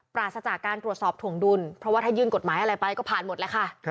ปราศจากการตรวจสอบถวงดุลเพราะว่าถ้ายื่นกฎหมายอะไรไปก็ผ่านหมดแล้วค่ะ